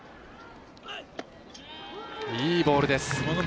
いいボールです。